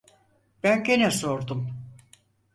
Ben gene sordum: